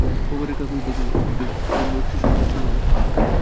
খবরের কাগজে দেখলাম রক্সি সন্তানসম্ভবা।